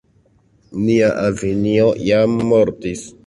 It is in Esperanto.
Nia avinjo jam mortis.